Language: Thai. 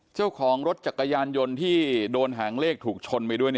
เจ้าของรถจักรยานยนต์ที่โดนหางเลขถูกชนไปด้วย